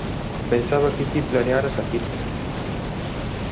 Pensaba que ti planearas a cita.